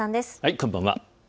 こんばんは。